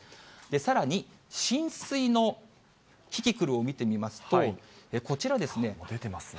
さらに、浸水のキキクルを見てみますと、出てますね。